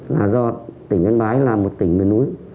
là do tỉnh yên bái là một tỉnh miền núi